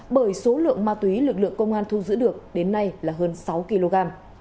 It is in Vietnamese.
bởi số lượng ma túy lực lượng công an thu giữ được đến nay là hơn sáu kg